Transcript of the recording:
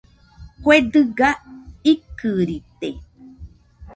Kue dɨga ikɨrite